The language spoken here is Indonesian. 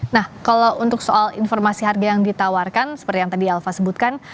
nah kalau untuk soal informasi harga yang ditawarkan seperti yang tadi alfa sebutkan